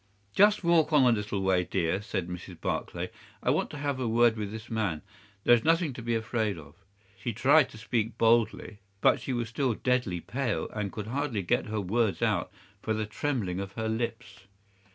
"'"Just walk on a little way, dear," said Mrs. Barclay; "I want to have a word with this man. There is nothing to be afraid of." She tried to speak boldly, but she was still deadly pale and could hardly get her words out for the trembling of her lips.